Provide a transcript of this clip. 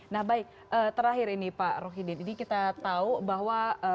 nah baik terakhir ini pak rohidin ini kita tahu bahwa